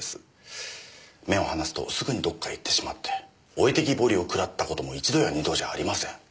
目を離すとすぐにどこかへ行ってしまって置いてきぼりを食らった事も一度や二度じゃありません。